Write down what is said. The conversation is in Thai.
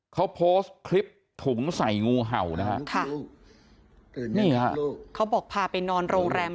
เขาโพสต์คลิปถุงใส่งูเห่านะฮะค่ะนี่ฮะเขาบอกพาไปนอนโรงแรม